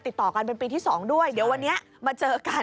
ติดต่อกันเป็นปีที่๒ด้วยเดี๋ยววันนี้มาเจอกัน